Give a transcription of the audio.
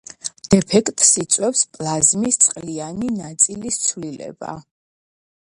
დეფექტს იწვევს პლაზმის, წყლიანი ნაწილის, ცვლილება.